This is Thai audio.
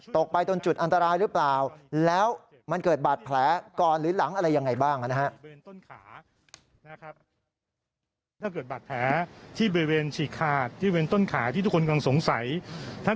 ตกไปจนจุดอันตรายหรือเปล่าแล้วมันเกิดบาดแผลก่อนหรือหลังอะไรยังไงบ้างนะฮะ